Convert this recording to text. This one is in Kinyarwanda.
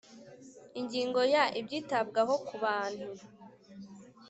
Ingingo ya Ibyitabwaho ku bantu